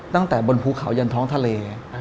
ตั้งแต่บนภูเขายันท้องทะเล